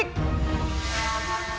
aku disini kak